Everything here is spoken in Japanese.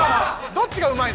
どっちがうまい？